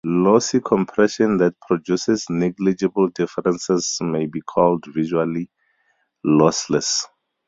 Lossy compression that produces negligible differences may be called visually lossless.